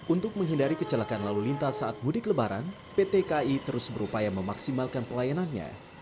untuk menghindari kecelakaan lalu lintas saat mudik lebaran pt kai terus berupaya memaksimalkan pelayanannya